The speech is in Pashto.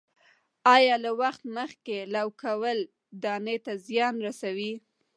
آیا له وخت مخکې لو کول دانې ته زیان رسوي؟